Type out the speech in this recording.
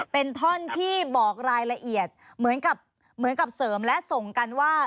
เป็นท่อนที่บอกรายละเอียดเหมือนกับเหมือนกับเสริมและส่งกันว่า